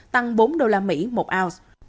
tăng bốn đô la mỹ một ounce